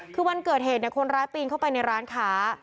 คือวันเกิดเหตุคนร้ายปีนเข้าไปในร้านค้า